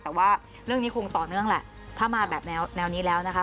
แต่ว่าเรื่องนี้คงต่อเนื่องแหละถ้ามาแบบแนวนี้แล้วนะคะ